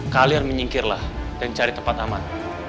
kalian menyingkirlah dan cari tempat aman